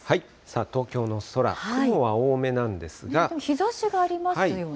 東京の空、日ざしがありますよね。